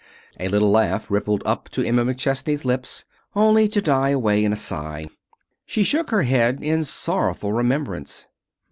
A little laugh rippled up to Emma McChesney's lips, only to die away to a sigh. She shook her head in sorrowful remembrance.